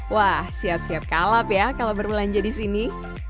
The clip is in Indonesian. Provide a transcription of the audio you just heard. wah siap siap kalap ya kalau berbelanja di sini